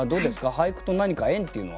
俳句と何か縁っていうのは？